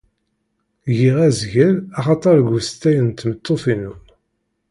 Giɣ azgel axatar g ustay n tmeṭṭuṭ-inu.